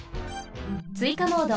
ついかモード。